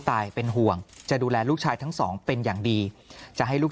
ตายเป็นห่วงจะดูแลลูกชายทั้งสองเป็นอย่างดีจะให้ลูก